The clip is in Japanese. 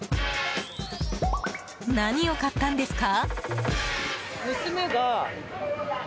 何を買ったんですか？